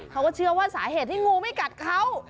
เขาก็เชื่อว่าสาเหตุที่งูไม่กัดเขา